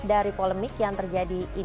dari polemik yang terjadi